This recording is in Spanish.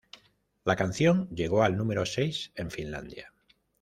La canción llegó al número seis en Finlandia.